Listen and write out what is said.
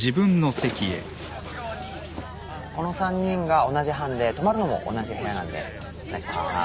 この３人が同じ班で泊まるのも同じ部屋なんでお願いします